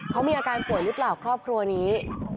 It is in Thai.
เขามีอาการป่วยหรือเปล่าครอบครัวนี้